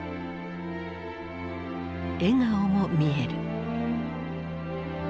笑顔も見える。